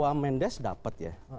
wah mendes dapet ya